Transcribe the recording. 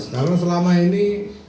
karena selama ini